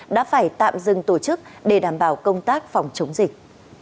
đã phải tạm dừng tổ chức để đảm bảo công tác phòng chống dịch